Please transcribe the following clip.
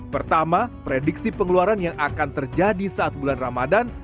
pertama prediksi pengeluaran yang akan terjadi saat bulan ramadan